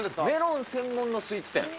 メロン専門のスイーツ店。